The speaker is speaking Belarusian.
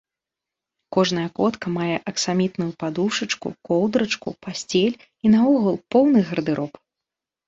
Кожная котка мае аксамітную падушачку, коўдрачку, пасцель і наогул поўны гардэроб.